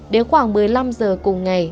đến khoảng một mươi năm h cùng ngày